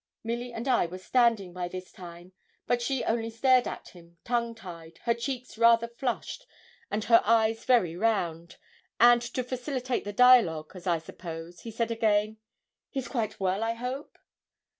Milly and I were standing, by this time, but she only stared at him, tongue tied, her cheeks rather flushed, and her eyes very round, and to facilitate the dialogue, as I suppose, he said again 'He's quite well, I hope?'